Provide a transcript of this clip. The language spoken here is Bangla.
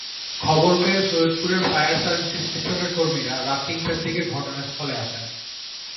খবর পেয়ে সৈয়দপুরের ফায়ার সার্ভিস স্টেশনের কর্মীরা রাত তিনটার দিকে ঘটনাস্থলে আসেন।